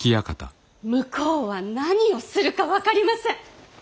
向こうは何をするか分かりません！